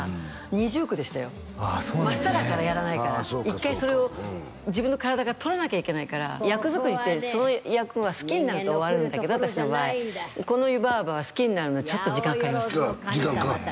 二重苦でしたよ真っさらからやらないから一回それを自分の体から取らなきゃいけないから役作りってその役が好きになると終わるんだけど私の場合この湯婆婆は好きになるのちょっと時間かかりました時間かかった？